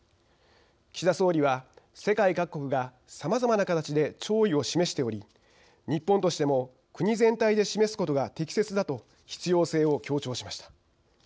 岸田総理は「世界各国がさまざまな形で弔意を示しており日本としても国全体で示すことが適切だ」と必要性を強調しました。